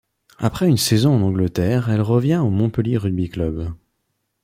Après une saison en Angleterre, elle revient au Montpellier rugby club.